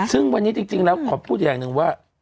ซึ่งวันนี้จริงแล้วขอพูดอย่างหนึ่งว่า